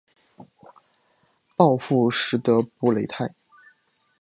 鲍博什德布雷泰。